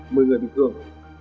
và một người bình thường